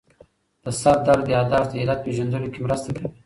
د سردرد یادښت د علت پېژندلو کې مرسته کوي.